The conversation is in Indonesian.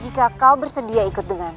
jika kau bersedia ikut denganmu